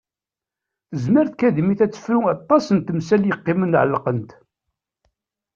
Tezmer tkadimit ad tefru aṭas n temsal yeqqimen ɛelqent.